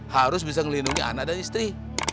harus bisa melindungi anak dan istri